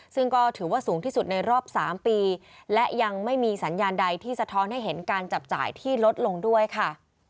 ซึ่งก็ถือว่าสูงที่สุดในรอบ๓ปีและยังไม่มีสัญญาณใดที่สะท้อนให้เห็นการจับจ่ายที่ลดลงด้วยค่ะ